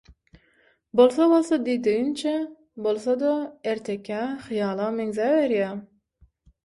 Bolsa-bolsa diýdigiňçe, bolsada, ertekä, hyýala meňzäberýär.